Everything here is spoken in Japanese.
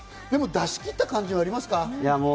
出し切った感じはありますか？